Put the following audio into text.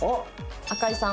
赤井さん。